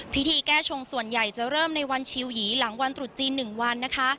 พิธีแก้ชงส่วนใหญ่จะเริ่มในวันชิลหยีหลังวันตรุษจีน๑วันนะคะ